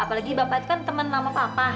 apalagi bapak itu kan teman nama bapak